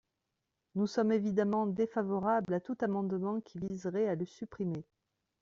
Nous sommes évidemment défavorables à tout amendement qui viserait à le supprimer.